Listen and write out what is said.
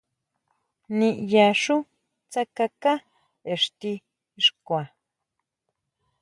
ʼNiʼyaxú tsákaká ixti xkua.